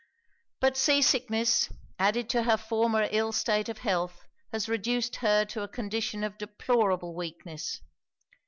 But sea sickness, added to her former ill state of health, has reduced her to a condition of deplorable weakness.